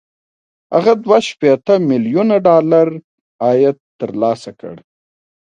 هغه دوه شپېته ميليونه ډالر عاید ترلاسه کړ